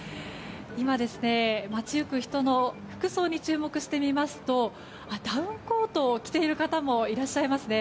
今、街行く人の服装に注目してみますとダウンコートを着ている方もいらっしゃいますね。